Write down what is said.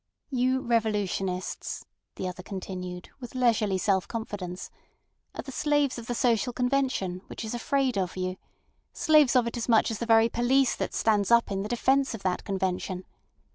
"You revolutionists," the other continued, with leisurely self confidence, "are the slaves of the social convention, which is afraid of you; slaves of it as much as the very police that stands up in the defence of that convention.